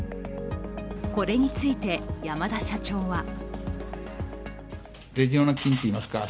これについて山田社長はと、釈明。